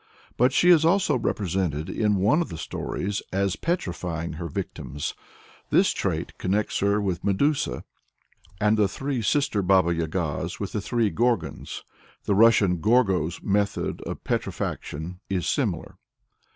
But she is also represented in one of the stories as petrifying her victims. This trait connects her with Medusa, and the three sister Baba Yagas with the three Gorgones. The Russian Gorgo's method of petrifaction is singular.